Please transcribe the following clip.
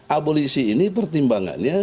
abulisi ini pertimbangannya